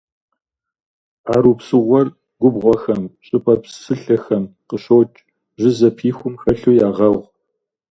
Арупсыгъуэр губгъуэхэм, щӏыпӏэ псылъэхэм къыщокӏ, жьы зэпихум хэлъу ягъэгъу.